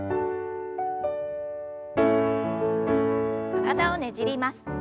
体をねじります。